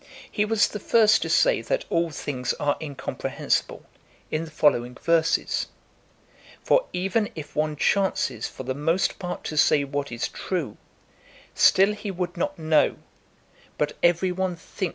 He was the first to say that all things are in comprehensible, in the following verses : (Frag. 14) ' For even if one chances for the most part to say what is true, still he would not know; but every one thinks he ' Arist.